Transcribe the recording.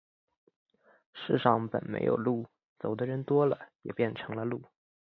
世上本没有路，走的人多了，也便成了路。